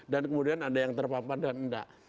dan kemudian ada yang terpapan dan enggak